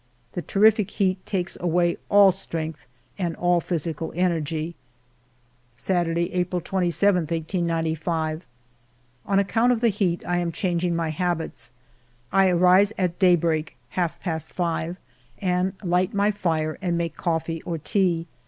The terrific heat takes away all strength and all physical energy. Saturday, April 27, 1895. On account of the heat, I am changing my habits. I rise at daybreak (half past ^vt) and light my fire and make coffee or tea.